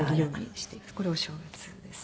これお正月ですね。